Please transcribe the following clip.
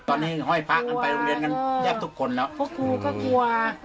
ตอนนี้ห้อยพระกันไปโรงเรียนกันแทบทุกคนแล้วเพราะครูก็กลัว